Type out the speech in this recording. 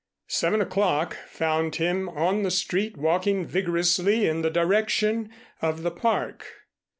Seven o'clock found him on the street walking vigorously in the direction of the Park.